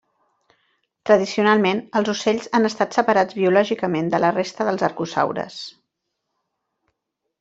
Tradicionalment els ocells han estat separats biològicament de la resta dels arcosaures.